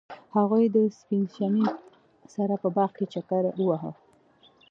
هغوی د سپین شمیم سره په باغ کې چکر وواهه.